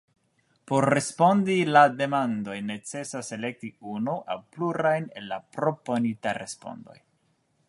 Por respondi la demandojn necesas elekti unu aŭ plurajn el la proponitaj respondoj.